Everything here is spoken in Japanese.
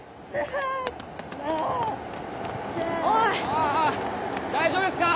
あぁ大丈夫ですか？